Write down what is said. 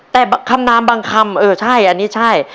แต่คำนามบางคำเออใช่อันนี้ใช่